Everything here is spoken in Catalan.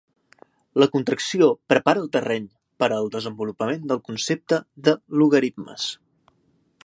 La contracció prepara el terreny per al desenvolupament del concepte de logaritmes.